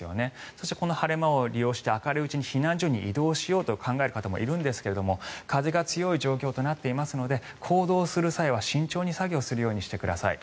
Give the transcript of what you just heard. そしてこの晴れ間を利用して明るいうちに避難所に移動しようと考える方もいるんですが風が強い状況となっていますので行動する際は、慎重に作業するようにしてください。